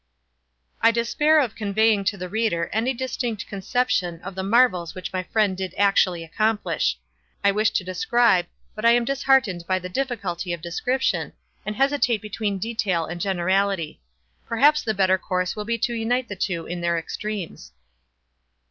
I despair of conveying to the reader any distinct conception of the marvels which my friend did actually accomplish. I wish to describe, but am disheartened by the difficulty of description, and hesitate between detail and generality. Perhaps the better course will be to unite the two in their extremes.